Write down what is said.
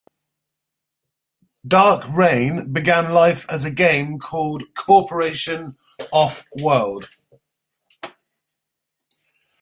"Dark Reign" began life as a game called "Corporation: Offworld".